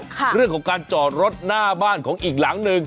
เรื่องของการจอดรถหน้าบ้านของอีกหลังหนึ่ง